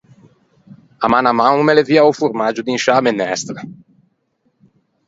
Amanaman o me levià o formaggio d’in sciâ menestra!